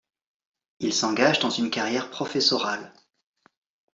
Il s'engage dans une carrière professorale.